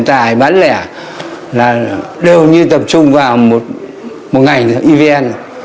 tài bán lẻ là đều như tập trung vào một ngành evn